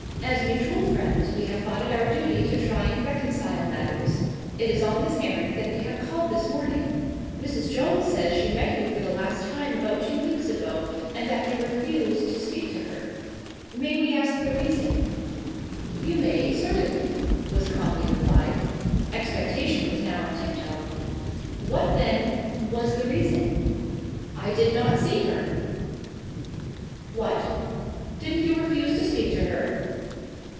As mutual friends, we have thought it our duty to try and reconcile matters. It is on this errand that we have called this morning. Mrs. Jones says she met you for the last time about two weeks ago, and that you refused to speak to her. May we ask the reason." "You may, certainly," was calmly replied. Expectation was now on tiptoe. "What, then, was the reason?" "I did not see her." "What? Didn't you refuse to speak to her?"